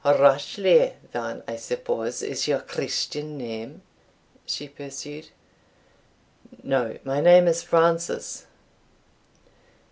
"Rashleigh, then, I suppose, is your Christian name?" she pursued. "No, my name is Francis."